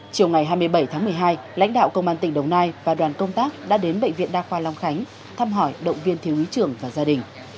chiều ngày hai mươi bảy tháng một mươi hai lãnh đạo công an tỉnh đồng nai và đoàn công tác đã đến bệnh viện đa khoa long khánh thăm hỏi động viên thiếu úy trưởng và gia đình